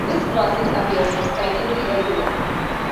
This process appears strikingly regular.